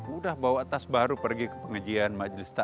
udah bawa tas baru pergi ke pengejian majlis stalin